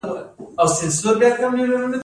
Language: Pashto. ازادي څه حدود لري؟